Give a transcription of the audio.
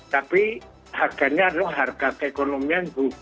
tapi harganya adalah harga keekonomian bukan harga subsidi